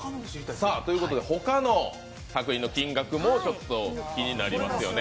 他の作品の金額も気になりますよね。